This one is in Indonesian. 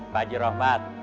pak haji rahmat